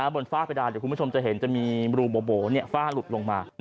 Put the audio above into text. ฝ้าเพดานเดี๋ยวคุณผู้ชมจะเห็นจะมีรูโบฝ้าหลุดลงมา